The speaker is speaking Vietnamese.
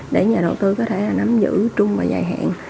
để nhà đầu tư có thể nắm giữ trung và dài hẹn